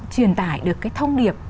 truyền tải được cái thông điệp